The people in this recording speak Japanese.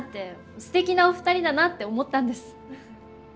すてきなお二人だなって思ったんです。